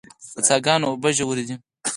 د څاه ګانو اوبه ژورې دي